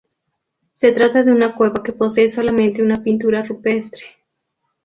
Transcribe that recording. Se trata de una cueva que posee solamente una pintura rupestre.